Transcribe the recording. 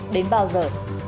đến bao giờ